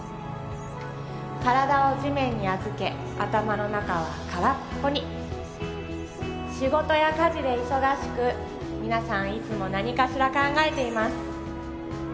体を地面に預け頭の中は空っぽに仕事や家事で忙しく皆さんいつも何かしら考えています